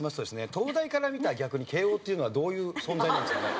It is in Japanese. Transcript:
東大から見た逆に慶應っていうのはどういう存在なんですかね？